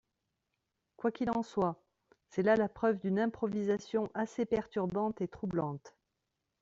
Quoi qu’il en soit, c’est là la preuve d’une improvisation assez perturbante et troublante.